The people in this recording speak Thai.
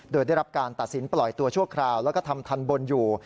โดยได้รับการตัดสินปล่อยตัวชั่วคราวแล้วก็ทำทันบนอยู่